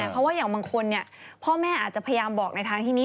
เพราะว่าอย่างบางคนพ่อแม่อาจจะพยายามบอกในทางที่นี้